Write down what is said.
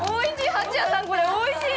おいしい！